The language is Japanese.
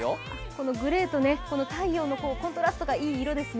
このグレーと太陽のコントラストが良い色ですね。